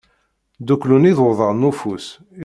Dduklen iḍudan n ufus.